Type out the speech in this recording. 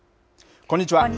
こんにちは。